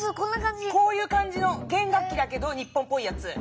こういう感じの弦楽器だけど日本っぽいやつ。